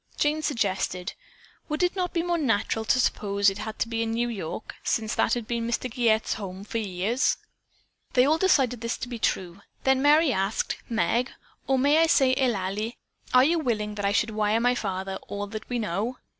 Jane suggested: "Would it not be more natural to suppose it to be a New York bank, since that had been Mr. Giguette's home for years?" They all decided this to be true. Then Merry asked: "Meg, or may I say Eulalie, are you willing that I should wire my father all that we know?